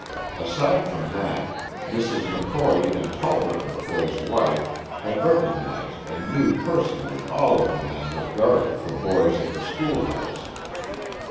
Aside from that, Mrs. McCoy and Tolbert McCoy's wife had recognized and knew personally all of the men that guarded the boys at the schoolhouse.